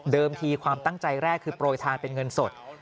ทีความตั้งใจแรกคือโปรยทานเป็นเงินสด